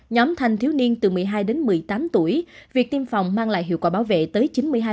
nhóm thanh thiếu niên từ một mươi hai đến một mươi tám tuổi việc tiêm phòng mang lại hiệu quả bảo vệ tới chín mươi hai